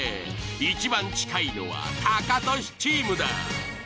いちばん近いのはタカトシチームだ。